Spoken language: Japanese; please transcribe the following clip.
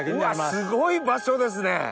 すごい場所ですね！